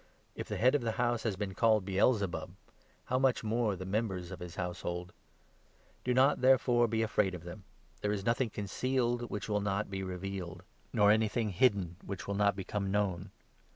If the head of the house has been called Baal zebub, how much more the mem bers of his household ! Do not, therefore, be afraid of them. 26 There is nothing concealed which will not be revealed, nor 15 Enoch 10. 6. 21 Mic. 7. 6. 60 MATTHEW, 1O— 11. anything hidden which will not become known.